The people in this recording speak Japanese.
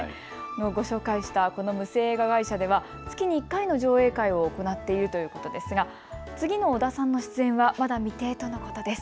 ご紹介した無声映画会社では月に１回の上映会を行っているということですが次の尾田さんの出演はまだ未定とのことです。